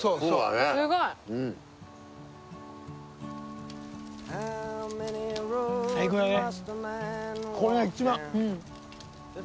すごいそうだね